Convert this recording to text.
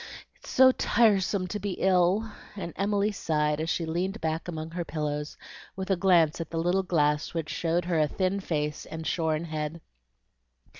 It's so tiresome to be ill!" and Emily sighed as she leaned back among her pillows, with a glance at the little glass which showed her a thin face and shorn head.